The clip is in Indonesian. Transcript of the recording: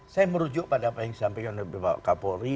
saya merujuk pada apa yang disampaikan oleh bapak kapolri